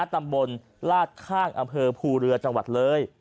ตำบลลาดข้างอำเภอภูเรือจังหวัดเลย